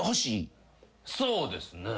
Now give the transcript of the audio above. そうですね。